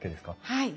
はい。